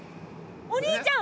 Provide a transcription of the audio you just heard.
お兄ちゃん！